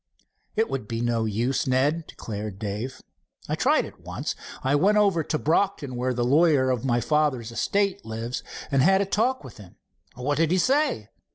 "It would be no use, Ned," declared Dave. "I tried it once. I went over to Brocton, where the lawyer of my father's estate lives, and had a talk with him." "What did he say?"